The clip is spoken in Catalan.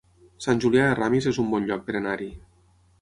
Sant Julià de Ramis es un bon lloc per anar-hi